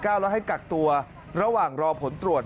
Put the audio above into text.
แล้วให้กักตัวระหว่างรอผลตรวจ